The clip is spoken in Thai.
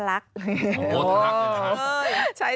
โอ้โหถรักถรัก